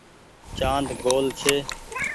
چآند گول ڇي ۔